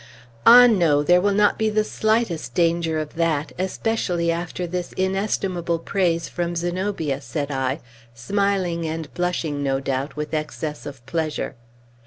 "Ah, no; there will not be the slightest danger of that, especially after this inestimable praise from Zenobia," said I, smiling, and blushing, no doubt, with excess of pleasure.